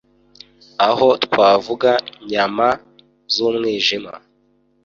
Aha twavuga nyama z’umwijima